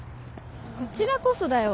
こちらこそだよ